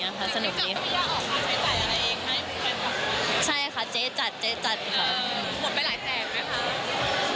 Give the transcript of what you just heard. แล้วก็ออกงานใช้จ่ายอะไรเองให้แฟนคลับค่ะใช่ค่ะเจ๊จัดค่ะหมดไปหลายแสนไหมคะไม่เป็นไรค่ะ